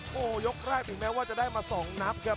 โอ้โหยกแรกถึงแม้ว่าจะได้มา๒นัดครับ